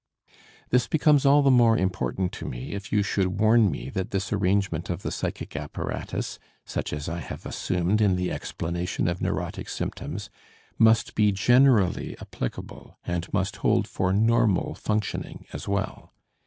This becomes all the more important to me if you should warn me that this arrangement of the psychic apparatus, such as I have assumed in the explanation of neurotic symptoms, must be generally applicable and must hold for normal functioning as well.